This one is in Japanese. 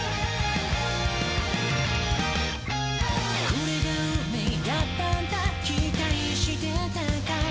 「これが運命だったんだ、期待してたかい？」